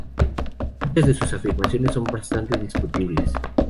Muchas de sus afirmaciones son bastante discutibles.